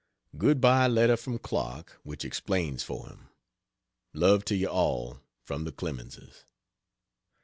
Good by letter from Clark, which explains for him. Love to you all from the CLEMENSES.